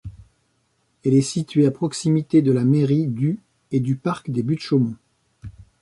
Elle est située à proximité de la mairie du et du parc des Buttes-Chaumont.